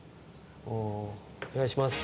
おおお願いします